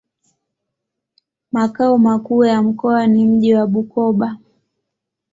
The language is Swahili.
Makao makuu ya mkoa ni mji wa Bukoba.